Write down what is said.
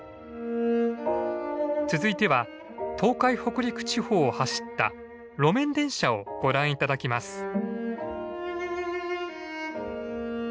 続いては東海北陸地方を走った路面電車をご覧頂きます。